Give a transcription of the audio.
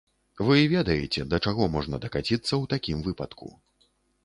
Вы ведаеце, да чаго можна дакаціцца ў такім выпадку.